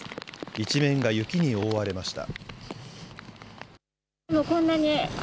一面が雪に覆われました。